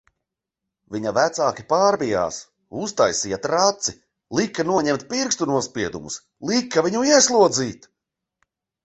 Viņa vecāki pārbijās, uztaisīja traci, lika noņemt pirkstu nospiedumus, lika viņu ieslodzīt...